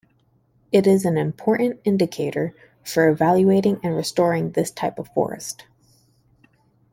It is an important indicator for evaluating and restoring this type of forest.